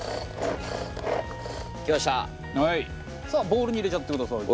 ボウルに入れちゃってください。